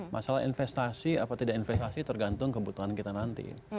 masalah investasi apa tidak investasi tergantung kebutuhan kita nanti